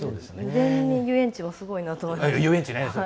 油田に遊園地もすごいなと思いました。